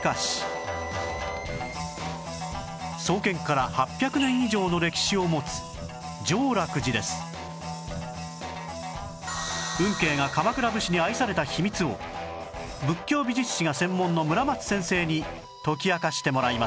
創建から８００年以上の歴史を持つ運慶が鎌倉武士に愛された秘密を仏教美術史が専門の村松先生に解き明かしてもらいます